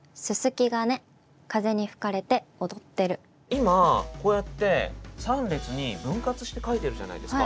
今こうやって３列に分割して書いてるじゃないですか。